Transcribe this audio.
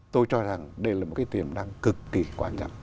tôi cho rằng đây là một cái tiềm năng cực kỳ quan trọng